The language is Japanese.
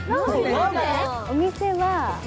お店は。